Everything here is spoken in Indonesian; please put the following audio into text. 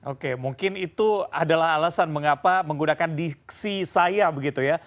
oke mungkin itu adalah alasan mengapa menggunakan diksi saya begitu ya